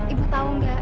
ibu tau gak